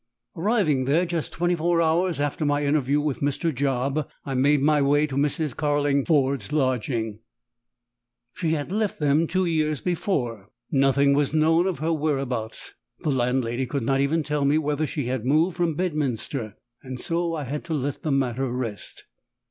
Arriving there just twenty four hours after my interview with Mr. Job, I made my way to Mrs. Carlingford's lodgings. She had left them two years before; nothing was known of her whereabouts. The landlady could not even tell me whether she had moved from Bedminster: And so I had to let the matter rest.